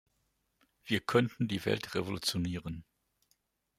Wir könnten die Welt revolutionieren.